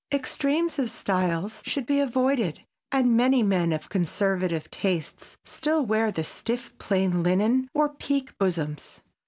Extremes of styles should be avoided, and many men of conservative tastes still wear the stiff plain linen or piqué bosoms.